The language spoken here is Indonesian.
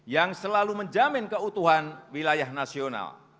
yang selalu menjamin keutuhan wilayah nasional